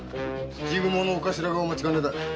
土蜘蛛のお頭がお待ちかねだ。